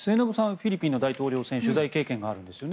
フィリピンの大統領選取材経験があるんですよね。